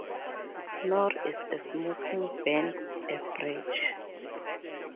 Nor is a smoking ban a breach.